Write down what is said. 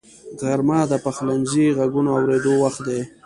غرمه د پخلنځي غږونو اورېدو وخت دی